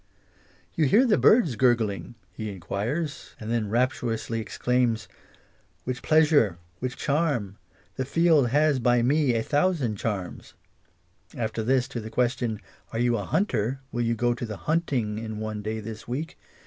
"You hear the bird's gurgling?" he enquires, and then rapturously exclaims " Which pleas ure ! which charm ! The field has by me a thousand charms "; after this, to the question " Are you hunter ? will you go to the hunting in one day this week